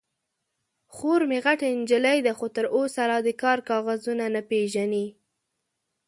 _خور مې غټه نجلۍ ده، خو تر اوسه لا د کار کاغذونه نه پېژني.